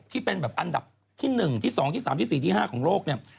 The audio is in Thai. ที่เป็นแบบอันดับที่หนึ่งที่สองที่สามที่สี่ที่ห้าของโลกเนี่ย